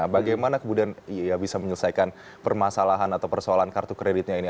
bagaimana kemudian bisa menyelesaikan permasalahan atau persoalan kartu kreditnya ini